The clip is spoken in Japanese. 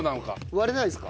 割れないですか？